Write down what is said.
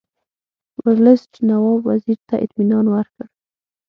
ورلسټ نواب وزیر ته اطمینان ورکړ.